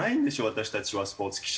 私たちはスポーツ記者。